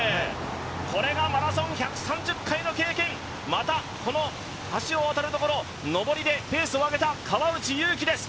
これがマラソン１３０回の経験またこの橋を渡るところ上りでペースを上げた川内優輝です。